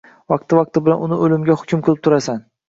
Vaqti-vaqti bilan uni o‘limga hukm qilib turasan.